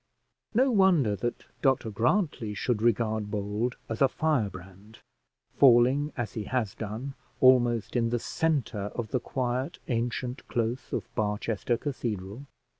No wonder that Dr Grantly should regard Bold as a firebrand, falling, as he has done, almost in the centre of the quiet ancient close of Barchester Cathedral.